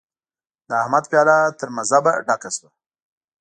د احمد پياله تر مذهبه ډکه شوه.